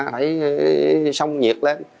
phải sông nhiệt lên